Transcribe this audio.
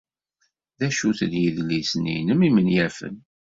D acu-ten yidlisen-nnem imenyafen?